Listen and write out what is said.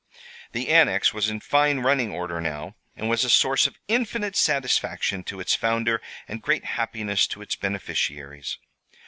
The Annex was in fine running order now, and was a source of infinite satisfaction to its founder and great happiness to its beneficiaries.